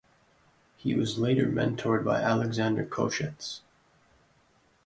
He was later mentored by Alexander Koshetz.